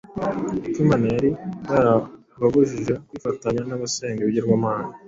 Uko Imana yari yarababujije kwifatanya n’abasenga ibigirwamana